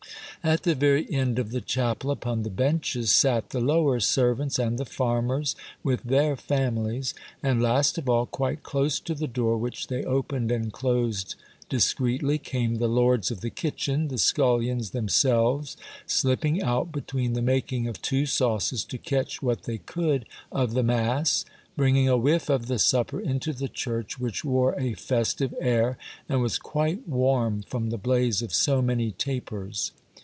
At the very end of the chapel, upon the benches, sat the lower servants and the farmers with their famihes ; and, last of all, quite close to the door, which they opened and closed discreetly, came the lords of the kitchen, the scullions themselves, slipping out between the making of two sauces to catch what they could of the mass, bringing a whiff of the supper into the church, which wore a festive air, and was quite warm from the blaze of so many tapers.